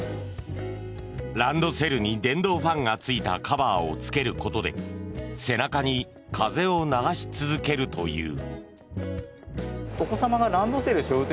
ランドセルに電動ファンがついたカバーをつけることで背中に風を流し続けるという。